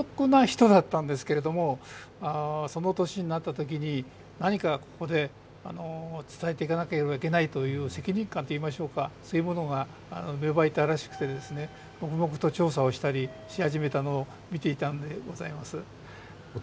父はわりと寡黙な人だったんですが、その年になったときに何かここで伝えていかなければならないという責任感といいましょうか、そういうものが芽生えたらしくて調査をしたりし始めたものを見ていたものです。